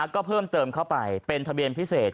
ก็เพิ่มเติมเข้าไปเป็นทะเบียนพิเศษ